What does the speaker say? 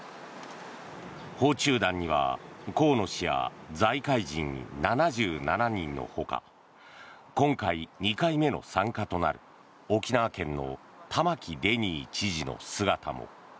訪中団には河野氏や財界人７７人のほか今回、２回目の参加となる沖縄県の玉城デニー知事の姿も。